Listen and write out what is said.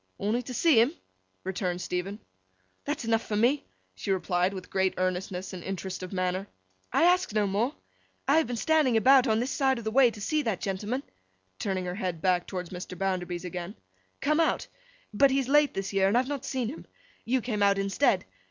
'Only to see 'em?' returned Stephen. 'That's enough for me,' she replied, with great earnestness and interest of manner. 'I ask no more! I have been standing about, on this side of the way, to see that gentleman,' turning her head back towards Mr. Bounderby's again, 'come out. But, he's late this year, and I have not seen him. You came out instead.